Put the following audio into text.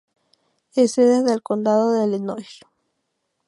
Es sede del condado de Lenoir.